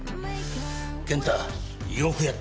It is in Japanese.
健太よくやった。